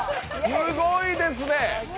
すごいですね。